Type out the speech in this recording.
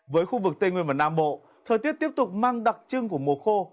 với khu vực tây nguyên và nam bộ thời tiết tiếp tục mang đặc trưng của mùa khô